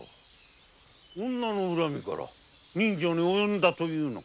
女の恨みから刃傷に及んだというのか？